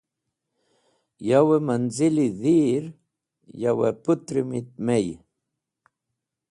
Yave mẽnzili dhir yavẽ pũtrũmit my.